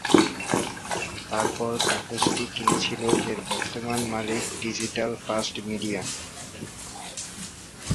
তারপর কাগজটি কিনেছিল এর বর্তমান মালিক ডিজিটাল ফার্স্ট মিডিয়া।